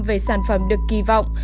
về sản phẩm được kỳ vọng